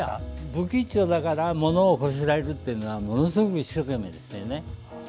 ブキッチョだから物をこしらえるっていうのはものすごく一生懸命でしたよね。